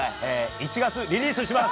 １月リリースします！